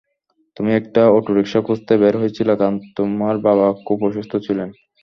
তুমি একটা অটোরিকশা খুঁজতে বের হয়েছিলে কারণ তোমার বাবা খুব অসুস্থ ছিলেন।